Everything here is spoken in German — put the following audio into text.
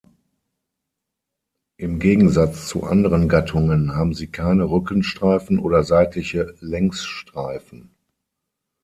Im Gegensatz zu anderen Gattungen haben sie keine Rückenstreifen oder seitliche Längsstreifen.